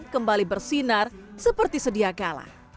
kembali bersinar seperti sedia kala